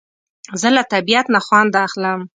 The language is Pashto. زه له طبیعت نه خوند اخلم